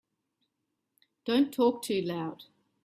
Don't talk too loud.